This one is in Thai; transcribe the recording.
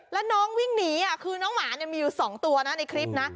แล้วน้องวิ่งหนีคือน้องหมามีอยู่๒ตัวนะในคลิปนะ